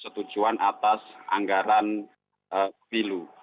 setujuan atas anggaran pemilu